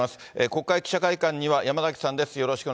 国会記者会館には山崎さんです。